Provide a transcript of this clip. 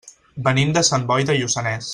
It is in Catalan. Venim de Sant Boi de Lluçanès.